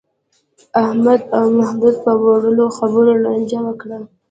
احمد او محمود په وړو خبرو لانجه وکړه.